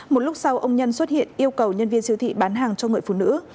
một lúc sau ông nhân xuất hiện yêu cầu nhân viên siêu thị bán hàng cho người phụ nữ